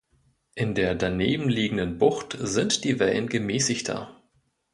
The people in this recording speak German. In der danebenliegenden Bucht sind die Wellen gemäßigter.